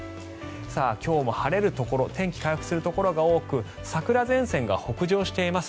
今日も晴れるところ天気が回復するところが多く桜前線が北上しています。